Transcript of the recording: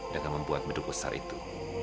dengan membuat beduk besar itu